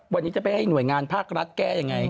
วันนี้จะไปให้หน่วยงานภาครัฐแก้ยังไง